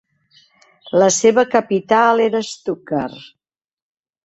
La seva capital era Stuttgart.